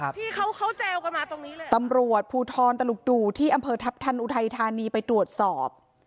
ที่เขาเขาแจวกันมาตรงนี้ตำรวจภูทรตลุกดูที่อำเภอทัพทันอุทัยธานีไปตรวจสอบ